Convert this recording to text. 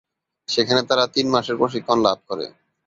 সেখানে তারা তিন মাসের প্রশিক্ষণ লাভ করে।